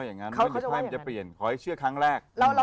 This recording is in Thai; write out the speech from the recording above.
มาอีกแล้วค่ะ